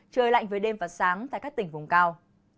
trời lạnh với đêm và sáng tại các tỉnh vùng cao